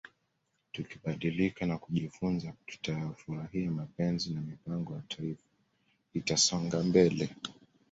Tukibadilika na kujifunza tutayafurahia mapenzi na mipango ya Taifa itasonga mbele